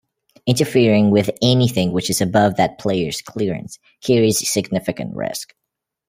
Interfering with anything which is above that player's clearance carries significant risk.